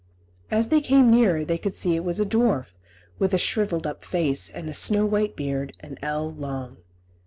As they came nearer they could see it was a dwarf, with a shrivelled up face and a snow white beard an ell long.